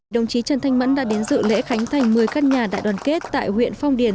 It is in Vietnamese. đồng chí trần thanh mẫn đã đến dự lễ khánh thành một mươi các nhà đại đoàn kết tại huyện phong điền